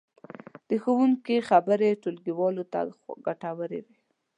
د ښوونکي خبرې ټولګیوالو ته ګټورې وې.